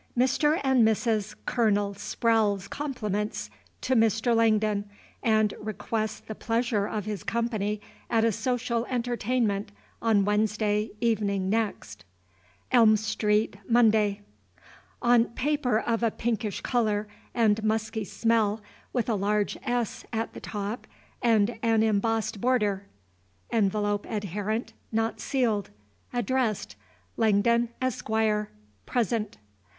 "Mr. and Mrs. Colonel Sprowle's compliments to Mr. Langdon and requests the pleasure of his company at a social entertainment on Wednesday evening next. "Elm St. Monday." On paper of a pinkish color and musky smell, with a large "S" at the top, and an embossed border. Envelop adherent, not sealed. Addressed LANGDON ESQ. Present.